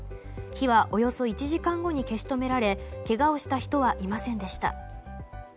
火はおよそ１時間後に消し止められけがをした人はいませんでした。